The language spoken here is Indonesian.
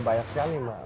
banyak sekali mbak